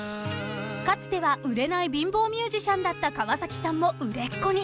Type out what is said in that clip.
［かつては売れない貧乏ミュージシャンだった川崎さんも売れっ子に。